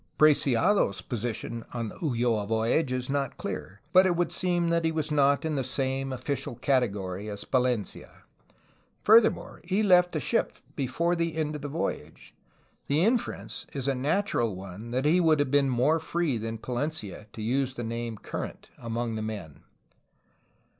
^' Preciado^s position on the Ulloa voyage is not clear, but it would seem that he was not in the same official category as Palencia. Furthermore, he left the ship before the end of the voyage. The inference is a natural one that he would have been more free than Palencia to use the name current among the men.